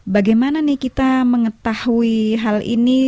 bagaimana nih kita mengetahui hal ini